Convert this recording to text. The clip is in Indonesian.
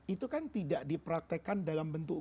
itu kan tidak dipraktekkan dalam bentuk